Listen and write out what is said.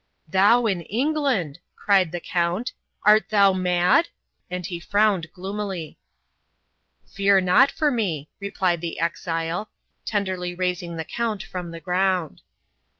"Thou in England!" cried the Count. "Art thou mad?" And he frowned gloomily. "Fear not for me," replied the exile, tenderly raising the Count from the ground.